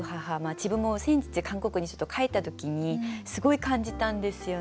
自分も先日韓国にちょっと帰った時にすごい感じたんですよね。